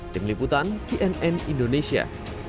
tim liputan cnn indonesia